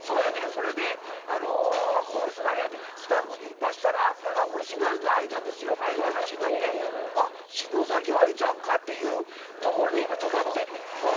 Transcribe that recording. それでこの人誰やってスタッフに出したらこれ篠崎愛ちゃんですよという話になって篠崎愛ちゃんかというところで今、止まってねん。